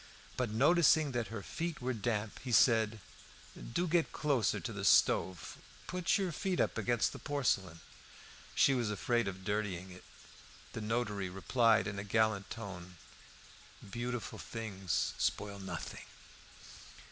But noticing that her feet were damp, he said "Do get closer to the stove; put your feet up against the porcelain." She was afraid of dirtying it. The notary replied in a gallant tone "Beautiful things spoil nothing."